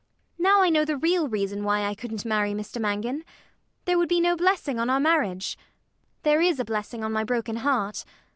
Now I know the real reason why I couldn't marry Mr Mangan: there would be no blessing on our marriage. There is a blessing on my broken heart.